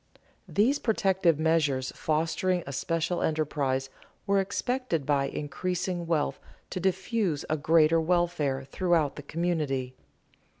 These protective measures fostering a special enterprise were expected by increasing wealth to diffuse a greater welfare throughout the community.